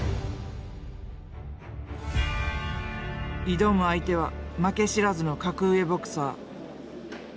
挑む相手は負け知らずの格上ボクサー。